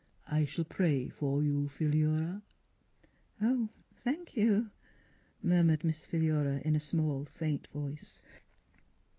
I shall pray for you, Philura." " Thank — you," murmured Miss Phi lura, in a small, faint voice.